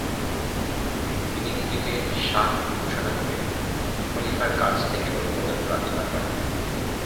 তিনি নিজেকে শাহ ঘোষণা করে খলিফার কাছ থেকে অনুমোদন প্রার্থনা করেন।